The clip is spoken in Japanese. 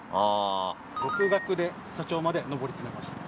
独学で社長まで上り詰めました。